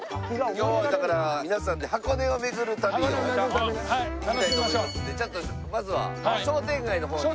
今日はだから皆さんで箱根を巡る旅を行きたいと思いますのでちょっとまずは商店街の方に。